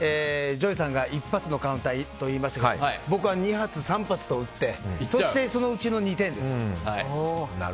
ＪＯＹさんが１発のカウンターといいましたが僕は２発、３発と打ってそのうちの２点です。